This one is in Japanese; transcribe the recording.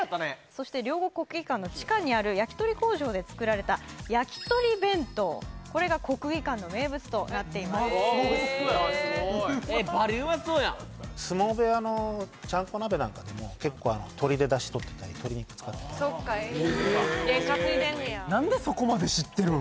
そして両国国技館の地下にある焼き鳥工場で作られたやきとり弁当これが国技館の名物となっていますへえばりうまそうやん相撲部屋のちゃんこ鍋なんかでも結構とりで出汁とってたりとり肉使ってたりそっか験担いでんねや何でそこまで知ってるん？